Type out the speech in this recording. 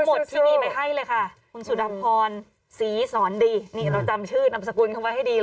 เขาบอกว่าเวลาทรงชาติ